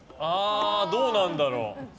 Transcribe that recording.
どうなんだろう。